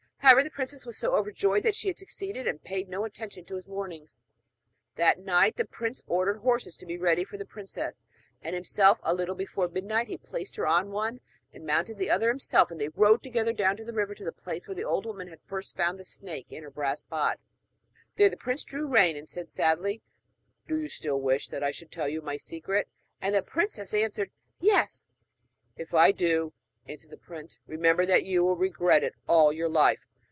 However, the princess was overjoyed that she had succeeded, and paid no attention to his warnings. That night the prince ordered horses to be ready for the princess and himself a little before midnight. He placed her on one, and mounted the other himself, and they rode together down to the river to the place where the old woman had first found the snake in her brass pot. There the prince drew rein and said sadly: 'Do you still insist that I should tell you my secret?' And the princess answered 'Yes.' 'If I do,' answered the prince, 'remember that you will regret it all your life.'